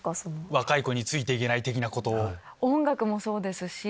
若い子についていけない的なこと。